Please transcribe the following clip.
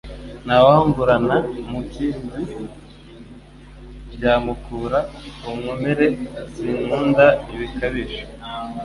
nta wangurana umukinzi byamukura ku nkomere zinkunda ibikabije,